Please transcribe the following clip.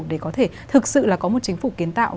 để có thể thực sự là có một chính phủ kiến tạo